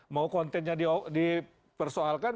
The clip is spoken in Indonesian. mau kontennya diperoleh